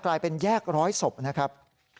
กลายเป็นแยกร้อยศพนะครับ